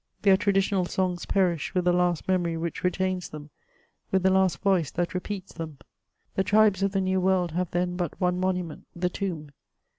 Their traditional songs perish with the last memory which retains them, with the last voice that repeats them. The tribes of the New \yorld have then but one monument, the tomb.